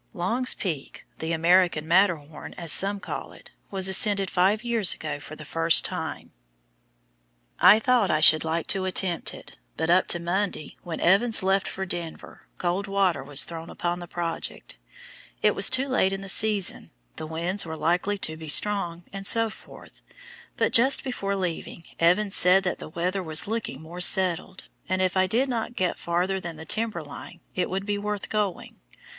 Long's Peak, "the American Matterhorn," as some call it, was ascended five years ago for the first time. I thought I should like to attempt it, but up to Monday, when Evans left for Denver, cold water was thrown upon the project. It was too late in the season, the winds were likely to be strong, etc.; but just before leaving, Evans said that the weather was looking more settled, and if I did not get farther than the timber line it would be worth going.